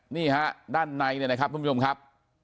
นี่ฮะด้านในเนี่ยนะครับทุกผู้ชมครับ